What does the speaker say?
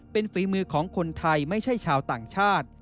เป็นฝีมือของคนไทยไม่ใช่ชาวต่างชาติ